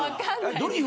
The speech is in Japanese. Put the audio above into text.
ドリフ